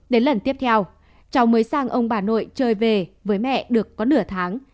đến lần tiếp theo cháu mới sang ông bà nội chơi về với mẹ được có nửa tháng